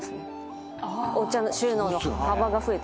お茶の収納の幅が増えてます。